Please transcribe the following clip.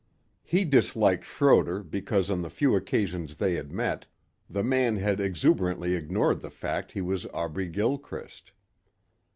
He disliked Schroder because on the few occasions they had met, the man had exuberantly ignored the fact he was Aubrey Gilchrist.